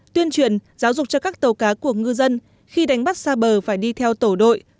tuyên truyền giáo dục cho các tàu cá của ngư dân khi đánh bắt xa bờ phải đi theo tổ đội